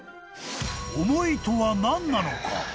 ［重いとは何なのか？］